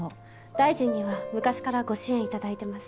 大臣には昔からご支援いただいてます。